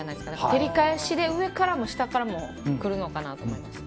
照り返しで、上からも下からも来るのかなと思います。